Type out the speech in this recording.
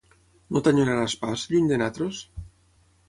No t'enyoraràs pas, lluny de nosaltres?